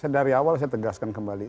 dari awal saya tegaskan kembali